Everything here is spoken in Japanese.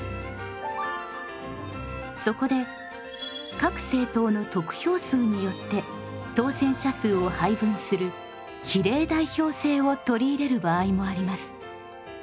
そこで各政党の得票数によって当選者数を配分する比例代表制を取り入れる場合もあります。